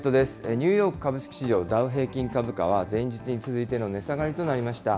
ニューヨーク株式市場ダウ平均株価は、前日に続いての値下がりとなりました。